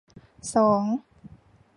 สอง